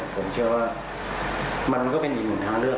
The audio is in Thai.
ผมเชื่อว่ามันก็เป็นอีกหนึ่งทางเลือก